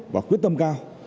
và quyết tâm cao